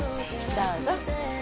どうぞ。